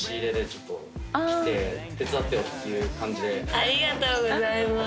ありがとうございます。